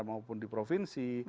maupun di provinsi